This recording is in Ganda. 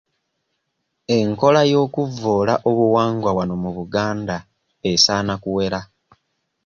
Enkola y'okuvvoola obuwangwa wano mu Buganda esaana kuwera.